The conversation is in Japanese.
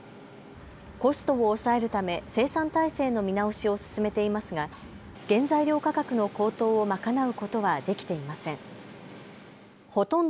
コストを抑えるため生産体制の見直しを進めていますが原材料価格の高騰を賄うことはできていません。